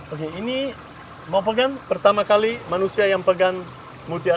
oke ini mau pegang pertama kali manusia yang pegang mutiara